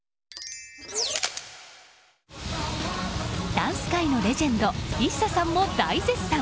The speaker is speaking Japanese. ダンス界のレジェンドＩＳＳＡさんも大絶賛。